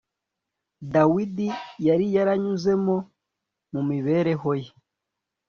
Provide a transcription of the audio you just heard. dawidi yari yaranyuzemo mu mibereho ye